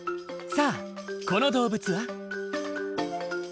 さあこの動物は？